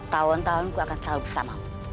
tawan tawan aku akan selalu bersamamu